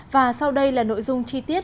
và sau đây là nội dung chi tiết